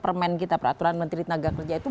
permen kita peraturan menteri tenaga kerja itu